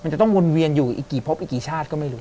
จะต้องวนเวียนอยู่อีกกี่พบอีกกี่ชาติก็ไม่รู้